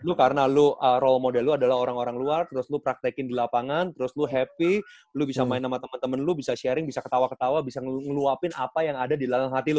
lu karena lu role model lu adalah orang orang luar terus lo praktekin di lapangan terus lo happy lo bisa main sama teman teman lu bisa sharing bisa ketawa ketawa bisa ngeluapin apa yang ada di lelang hati lu